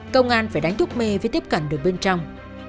công an phải đánh thuốc mê với tiếp cận được bên trong